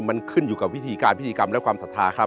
มันขึ้นอยู่กับวิธีการพิธีกรรมและความศรัทธาครับ